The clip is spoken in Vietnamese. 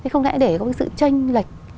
không lẽ để có sự tranh lệch